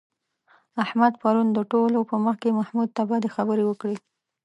احمد پرون د ټولو په مخ کې محمود ته بدې خبرې وکړې.